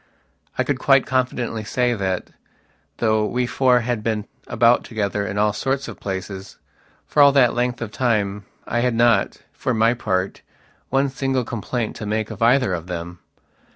I could quite confidently say that, though we four had been about together in all sorts of places, for all that length of time, I had not, for my part, one single complaint to make of either of them.